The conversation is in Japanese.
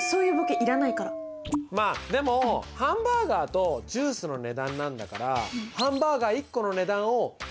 まあでもハンバーガーとジュースの値段なんだからおっすごい！